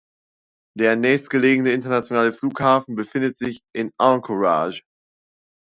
Der nächstgelegene internationale Flughafen befindet sich in Anchorage.